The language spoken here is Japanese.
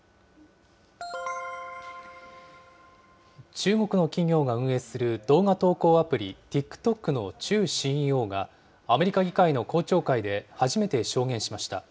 中国の企業が運営する動画投稿アプリ、ＴｉｋＴｏｋのチュウＣＥＯが、アメリカ議会の公聴会で初めて証言しました。